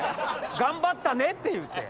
頑張ったねっていうて。